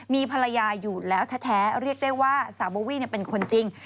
มีภรรยาอยู่แล้วแท้เรียกได้ว่าสาวโบวี่เป็นคนจริง